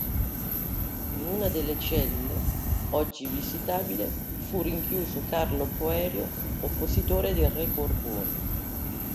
In una delle celle, oggi visitabile, fu rinchiuso Carlo Poerio, oppositore del Re Borbone.